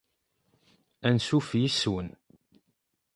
Ansuf yis-wen.